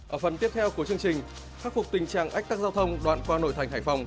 ở phần tiếp theo của chương trình khắc phục tình trạng ách tắc giao thông đoạn qua nội thành hải phòng